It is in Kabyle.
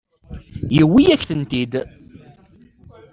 Yewwi-yak-tent-id.